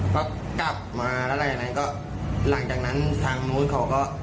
ก็กลับมาแล้วอะไรอย่างนั้นก็หลังจากนั้นทางมหุ้นเขาก็